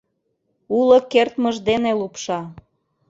Уло кертмыж дене лупша...